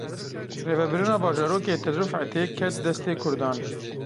Rêvebirina bajarokê Til Rifetê ket destê kurdan.